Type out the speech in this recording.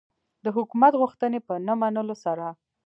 د حکومت غوښتنې په نه منلو سره.